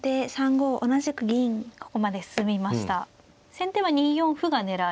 先手は２四歩が狙い。